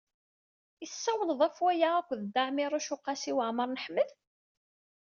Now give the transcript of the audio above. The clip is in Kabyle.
I tessawled ɣef waya akked Dda Ɛmiiruc u Qasi Waɛmer n Ḥmed?